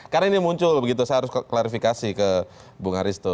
karena ini muncul begitu saya harus klarifikasi ke bung haristo